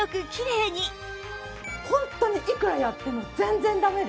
ホントにいくらやっても全然ダメで。